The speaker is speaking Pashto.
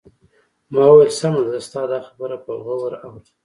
ما وویل: سمه ده، زه ستا دا خبره په غور اورم.